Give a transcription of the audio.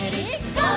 ゴー！」